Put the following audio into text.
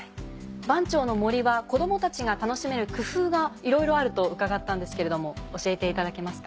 番町の森は子供たちが楽しめる工夫がいろいろあると伺ったんですけれども教えていただけますか？